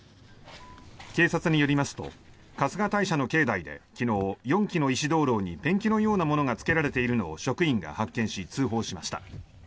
警察によりますと春日大社の境内で昨日、４基の石灯ろうにペンキのようなものがつけられているのを職員が発見し通報しました。